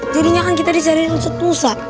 jadinya kan kita disariin ustadz musa